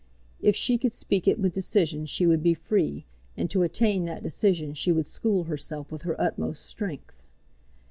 If she could speak it with decision she would be free, and to attain that decision she would school herself with her utmost strength.